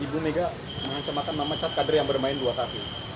ibu mega mengancamakan memecat kader yang bermain dua kaki